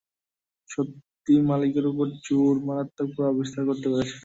সত্যি, মালিকের ওপর চোর মারাত্মক প্রভাব বিস্তার করতে পেরেছে।